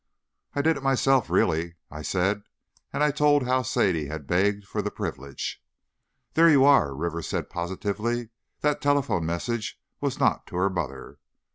"I did it myself, really," I said; and I told how Sadie had begged for the privilege. "There you are!" Rivers said, positively. "That telephone message was not to her mother!"